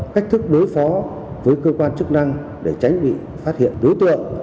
cách thức đối phó với cơ quan chức năng để tránh bị phát hiện đối tượng